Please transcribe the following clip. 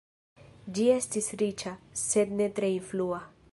Ĝi estis riĉa, sed ne tre influa.